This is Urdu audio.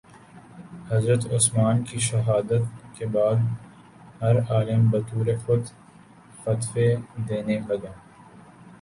حضرت عثمان کی شہادت کے بعد ہر عالم بطورِ خود فتویٰ دینے لگا